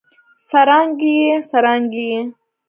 سرانګې ئې ، څرانګې ئې